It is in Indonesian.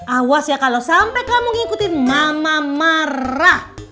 awas ya kalau sampai kamu ngikutin mama marah